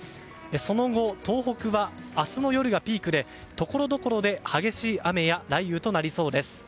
その後、東北は明日の夜がピークでところどころで激しい雨や雷雨となりそうです。